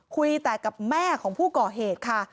คุยแต่กับแม่ของผู้ก่อเหตุค่ะ